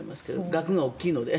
額が大きいので。